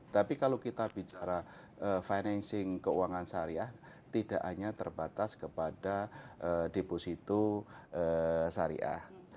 tapi kalau kita bicara financing keuangan syariah tidak hanya terbatas kepada deposito syariah